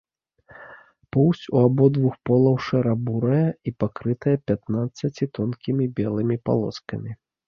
Поўсць ў абодвух полаў шэра-бурая і пакрыта пятнаццаці тонкімі белымі палоскамі.